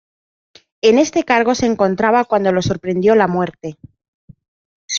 En este cargo se encontraba cuando lo sorprendió la muerte.